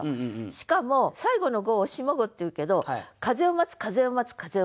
しかも最後の五を下五っていうけど「風を待つ」「風を待つ」「風を待つ」「風を待つ」。